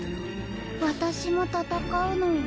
私も戦うの。